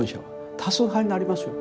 多数派になりますよ。